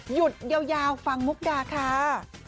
หยุดยาวฟังมุกดาค่ะ